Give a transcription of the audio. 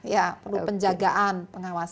ya perlu penjagaan pengawasan